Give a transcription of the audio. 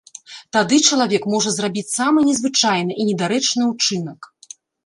Тады чалавек можа зрабіць самы незвычайны і недарэчны ўчынак.